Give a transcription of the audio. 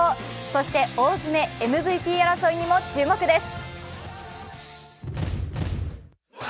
そして大詰め、ＭＶＰ争いにも注目です。